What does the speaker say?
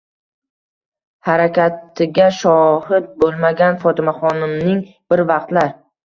harakatiga shohid bo'lmagan Fotimaxonimning bir vaqtlar